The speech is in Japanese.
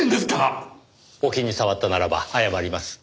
お気に障ったならば謝ります。